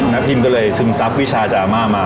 พิมก็เลยซึมซับวิชาจะอาม่ามา